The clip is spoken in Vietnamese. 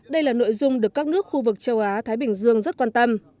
đây là nội dung được các nước khu vực châu á thái bình dương rất quan tâm